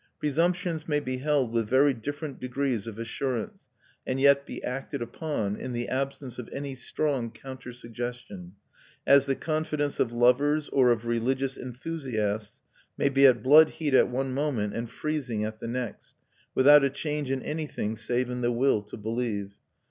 Presumptions may be held with very different degrees of assurance, and yet be acted upon, in the absence of any strong counter suggestion; as the confidence of lovers or of religious enthusiasts may be at blood heat at one moment and freezing at the next, without a change in anything save in the will to believe.